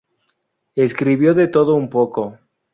Escribió de todo un poco.